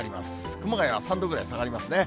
熊谷は３度ぐらい下がりますね。